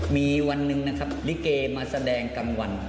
มีวันหนึ่งนะครับลิเกมาแสดงกลางวัน